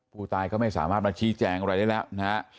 ผู้ตายก็ไม่สามารถมาชี้แจงอะไรได้แล้วนะฮะ